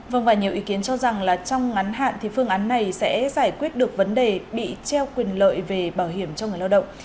vâng và nhiều ý kiến cho rằng là trong ngắn hạn thì phương án này sẽ giải quyết được vấn đề bị treo quyền lợi về bảo hiểm cho người lao động